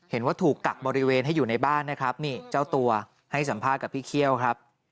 เห็นว่าถูกกักบริเวณให้อยู่ในบ้านนะครับนี่เจ้าตัวให้สัมภาษณ์กับพี่เคี่ยวครับ